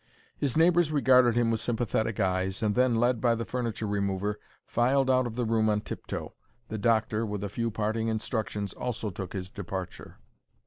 His neighbours regarded him with sympathetic eyes, and then, led by the furniture remover, filed out of the room on tip toe. The doctor, with a few parting instructions, also took his departure.